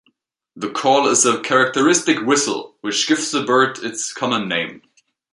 The call is a characteristic whistle which gives the bird its common name.